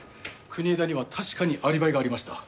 国枝には確かにアリバイがありました。